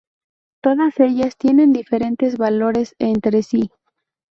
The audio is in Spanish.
Todas ellas tienen diferentes valores entre sí.